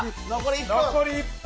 残り１分。